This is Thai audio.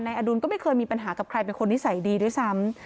อดุลก็ไม่เคยมีปัญหากับใครเป็นคนนิสัยดีด้วยซ้ำ